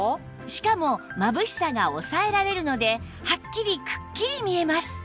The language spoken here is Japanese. しかもまぶしさが抑えられるのではっきりくっきり見えます